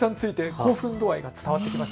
興奮度合いが伝わってきました。